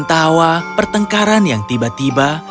tawa pertengkaran yang tiba tiba